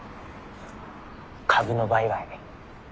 株の売買。